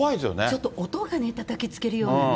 ちょっと音がね、たたきつけるようなね。